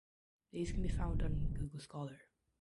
These can be found on Google Scholar.